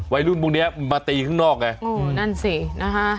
วัยรุ่นพวกเนี้ยมาตีข้างนอกไงโอ้นั่นสินะคะ